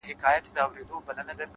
خو دده زامي له يخه څخه رېږدي؛